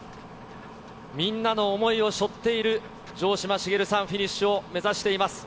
みんなの想いをしょっている城島茂さん、フィニッシュを目指しています。